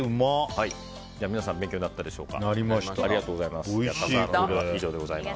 皆さん、勉強になったでしょうか。